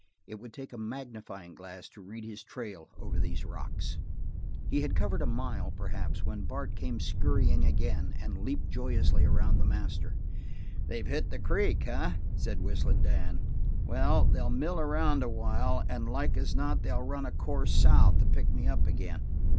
It would take a magnifying glass to read his trail over those rocks. He had covered a mile, perhaps, when Bart came scurrying again and leaped joyously around the master. "They've hit the creek, eh?" said Whistling Dan. "Well, they'll mill around a while and like as not they'll run a course south to pick me up agin."